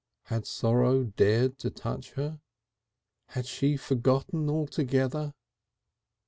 Had sorrow dared to touch her? Had she forgotten altogether?...